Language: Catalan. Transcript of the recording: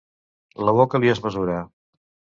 La boca li és mesura.